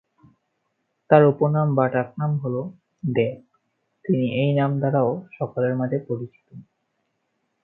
তার উপনাম বা ডাকনাম হলো "ডেপ", তিনি এই নাম দ্বারাও সকলের মাঝে পরিচিত।